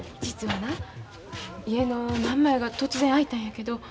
実はな家の真ん前が突然空いたんやけど。